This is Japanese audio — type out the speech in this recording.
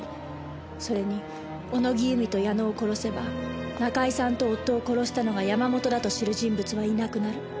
それに小野木由美と矢野を殺せば中井さんと夫を殺したのが山本だと知る人物はいなくなる。